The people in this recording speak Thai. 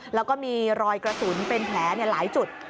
แล้วก็มีรอยกระสุนเป็นแผลหลายจุด